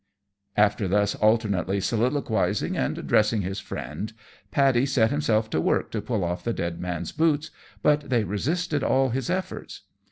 After thus alternately soliloquising and addressing his friend, Paddy set himself to work to pull off the dead man's boots, but they resisted all his efforts.